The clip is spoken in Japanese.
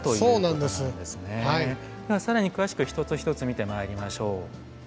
では更に詳しく一つ一つ見てまいりましょう。